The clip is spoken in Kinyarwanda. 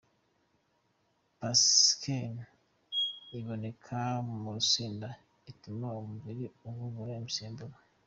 capsaïcine” iboneka mu rusenda ituma umubiri uvubura imisemburo .